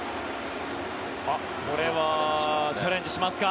これはチャレンジしますか。